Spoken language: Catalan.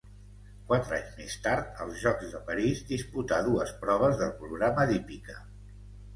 Quatre anys més tard, als Jocs de París, disputà dues proves del programa d'hípica.